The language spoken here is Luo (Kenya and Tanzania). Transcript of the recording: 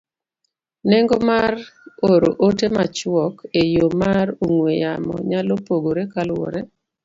Nengo mar oro ote machuok e yo mar ong'we yamo nyalo pogore kaluwore